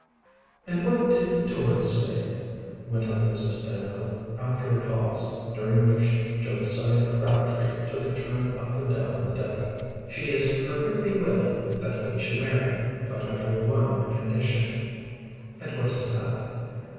"And what did Dora say?" went on Mrs. Stanhope, after a pause, during which Josiah Crabtree took a turn up and down the deck. "She is perfectly willing that we should marry, but under one condition." "And what is that?"